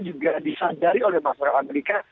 juga disadari oleh masyarakat amerika